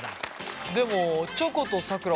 でもチョコとさくら